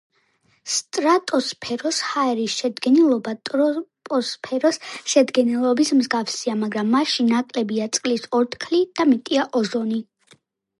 სტრატოსფეროს ჰაერის შედგენილობა ტროპოსფეროს შედგენილობის მსგავსია, მაგრამ მასში ნაკლებია წყლის ორთქლი და მეტია ოზონი.